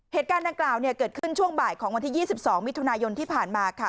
เหตุการณ์ดังกล่าวเกิดขึ้นช่วงบ่ายของวันที่๒๒มิถุนายนที่ผ่านมาค่ะ